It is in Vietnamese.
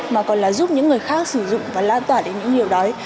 mà còn là giúp những người khác sử dụng và lan tỏa đến những điều đó